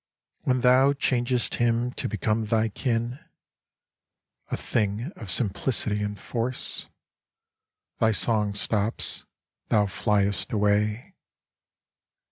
When thou changest him to become thy kin,— A thing of simplicity and force ; Thy song stops, thou fliest away.